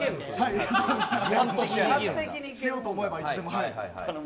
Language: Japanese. しようと思えば、いつでも。